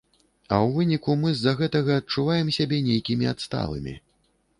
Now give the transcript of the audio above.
А ў выніку мы з-за гэтага адчуваем сябе нейкімі адсталымі.